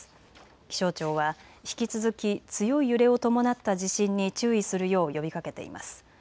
気象庁は引き続き強い揺れを伴った地震に注意するよう呼びかけています。